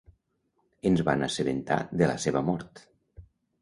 Ens van assabentar de la seva mort.